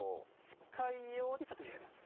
近いようでちょっと違います。